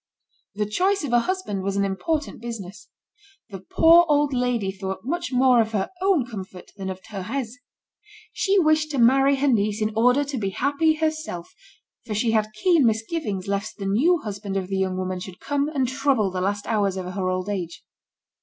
The choice of a husband was an important business. The poor old lady thought much more of her own comfort than of Thérèse. She wished to marry her niece in order to be happy herself, for she had keen misgivings lest the new husband of the young woman should come and trouble the last hours of her old age.